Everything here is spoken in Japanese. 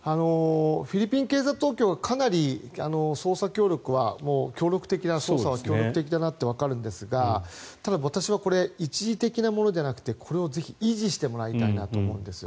フィリピン警察当局はかなり捜査協力はかなり捜査は協力的だなと思うんですがただ、私はこれ一時的なものではなくてぜひ維持してもらいたいなと思うんですよ。